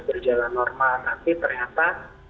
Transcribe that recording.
berjalan normal tapi ternyata